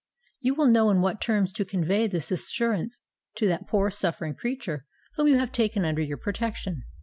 _ You will know in what terms to convey this assurance to that poor, suffering creature whom you have taken under your protection."